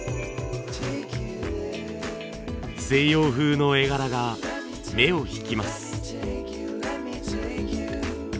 西洋風の絵柄が目を引きます。